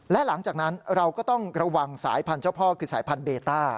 และหลังจากนั้นเราก็ต้องระวังสายพันธุ์เจ้าพ่อคือสายพันธเบต้า